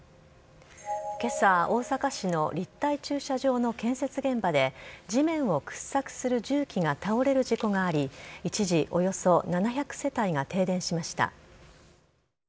けさ、大阪市の立体駐車場の建設現場で、地面を掘削する重機が倒れる事故があり、一時およそ７００世帯が停電しました。